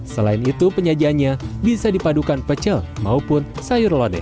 selain itu penyajiannya bisa dipadukan pecel maupun sayur lodeh